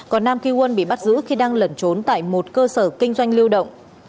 còn nam ki won bị bắt giữ khi đang lẩn trốn tại một cơ sở kinh doanh lưu động